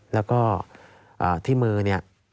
แล้วก็ที่มือเนี่ย